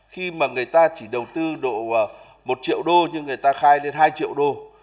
khi mà người ta chỉ đầu tư độ một triệu đô nhưng người ta khai lên hai triệu đô